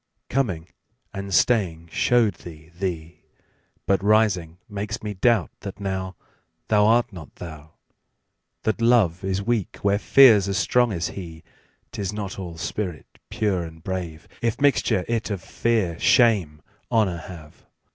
Coming and staying show'd thee thee; But rising makes me doubt that nowThou art not thou. That Love is weak where Fear's as strong as he;'Tis not all spirit pure and brave, If mixture it of Fear, Shame, Honour have.